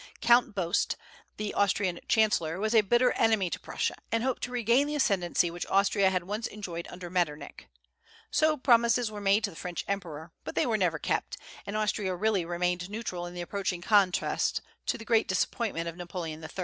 Count Beust, the Austrian chancellor, was a bitter enemy to Prussia, and hoped to regain the ascendency which Austria had once enjoyed under Metternich. So promises were made to the French emperor; but they were never kept, and Austria really remained neutral in the approaching contest, to the great disappointment of Napoleon III.